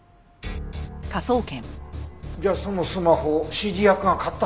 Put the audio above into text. じゃあそのスマホを指示役が買った？